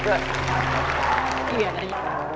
เกลียดเลย